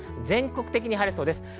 全国的に晴れそうです。